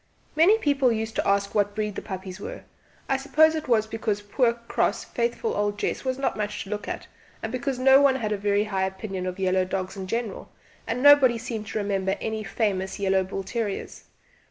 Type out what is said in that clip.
Many people used to ask what breed the puppies were I suppose it was because poor cross faithful old Jess was not much to look at, and because no one had a very high opinion of yellow dogs in general, and nobody seemed to remember any famous yellow bull terriers.